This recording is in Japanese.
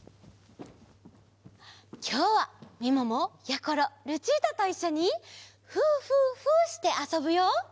きょうはみももやころルチータといっしょに「ふーふーふー」してあそぶよ。